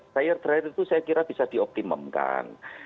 dryer dryer itu saya kira bisa dioptimumkan